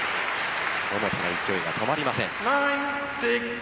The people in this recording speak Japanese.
桃田の勢いが止まりません。